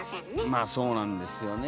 まあそうなんですよね。